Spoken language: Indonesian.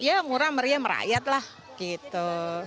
ya murah meriah merayat lah gitu